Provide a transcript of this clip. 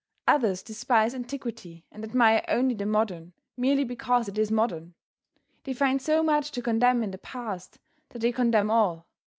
Others despise antiquity and admire only the modern, merely because it is modern. They find so much to condemn in the past, that they condemn all.